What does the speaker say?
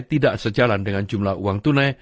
tidak sejalan dengan jumlah uang tunai